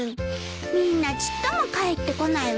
みんなちっとも帰ってこないわね。